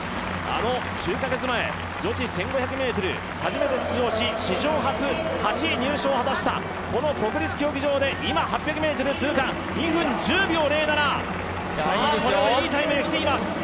あの９カ月前、女子１５００ｍ、初めて出場して史上初、８位入賞を果たしたこの国立競技場で今８００ｍ通過２分１０秒０７、これはいいタイムで来ています。